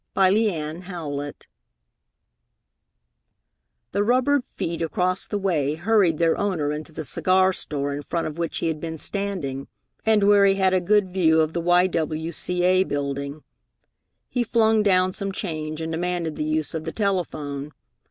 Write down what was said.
XII The rubbered feet across the way hurried their owner into the cigar store in front of which he had been standing, and where he had a good view of the Y.W.C.A. Building. He flung down some change and demanded the use of the telephone.